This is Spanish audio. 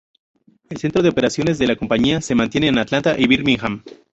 El centro de operaciones de la compañía se mantiene en Atlanta y Birmingham.